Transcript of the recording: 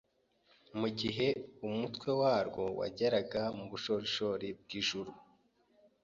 mu gihe umutwe warwo wageraga mu bushorishori bw’ijuru,